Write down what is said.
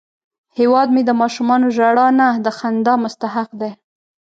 هیواد مې د ماشومانو ژړا نه، د خندا مستحق دی